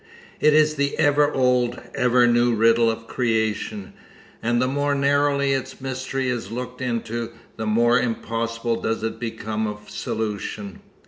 It is the ever old, ever new riddle of creation, and the more narrowly its mystery is looked into the more impossible does it become of solution.